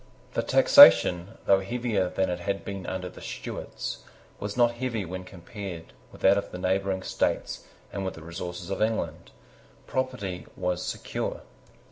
The taxation, though heavier than it had been under the Stuarts, was not heavy when compared with that of the neighbouring states and with the resources of England. Property was secure.